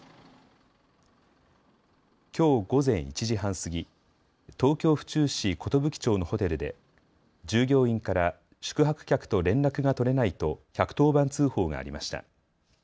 きょう午前１時半過ぎ東京府中市寿町のホテルで従業員から宿泊客と連絡が取れないと１１０番通報がありました。